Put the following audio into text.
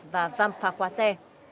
và văm phá qua xe